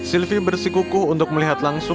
sylvie bersikuku untuk melihatnya